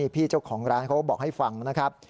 พี่เจ้าของร้านเขาบอกให้ฟังว่า